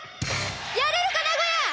やれるか名古屋！